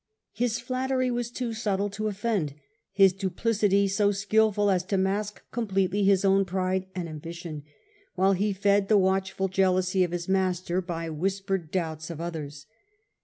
His flattery was too subtle to offend, his duplicity so skil ful as to mask completely his own pride and ambition, while he fed the watchful jealousy of his master by whis pered doubts of others.